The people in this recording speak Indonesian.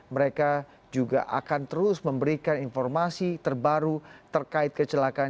mereka juga akan terus memberikan informasi terbaru terkait kecelakaan